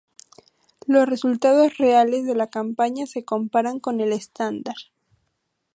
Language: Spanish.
Los resultados reales de la campaña se comparan con el estándar.